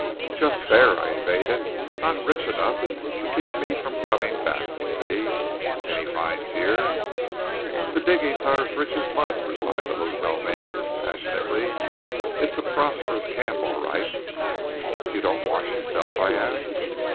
"Just fair," I evaded; "not rich enough to keep me from coming back, you see. Any finds here?" "The diggings are rich as mud," replied the hotel man dispassionately. "It's a prosperous camp all right." "You don't 'wash' yourself?" I asked.